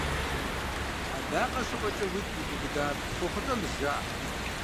Адакъэ щыӀуэкӀэ уигу ибубыдар къохъулӀэнущ, жаӀэрт.